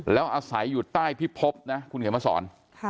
แล้วอาศัยอยู่ใต้พิพพคุณเขมพระสอน